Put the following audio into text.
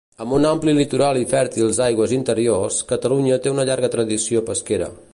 Amb un ampli litoral i fèrtils aigües interiors, Catalunya té una llarga tradició pesquera.